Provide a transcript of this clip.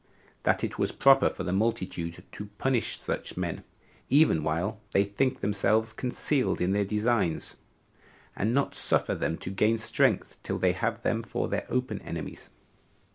That it was proper for the multitude to punish such men, even while they think themselves concealed in their designs, and not suffer them to gain strength till they have them for their open enemies.